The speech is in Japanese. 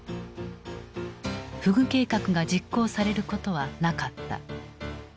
河豚計画が実行されることはなかった。